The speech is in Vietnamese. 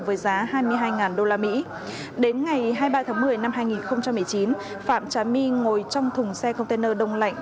với giá hai mươi hai usd đến ngày hai mươi ba tháng một mươi năm hai nghìn một mươi chín phạm trá my ngồi trong thùng xe container đông lạnh